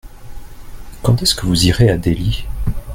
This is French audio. Quand est-ce que vous irez à Delhi ?